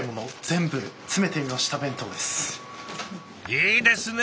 いいですね！